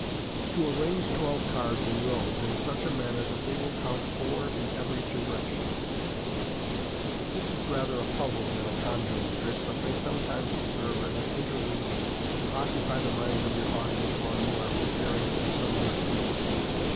To Arrange Twblvb Cards is Rows, in such a manner THAT THEY WILL COUNT FOUR IN 1VERY DIRECTION. — This If rather a puzzle than a conjuring trick, but may sometimes serve as an interlude to occupy the minds of your audience while you are pre paring for some other feat.